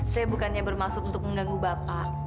saya bukannya bermaksud untuk mengganggu bapak